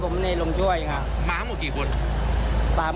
มาทั้งกี่คน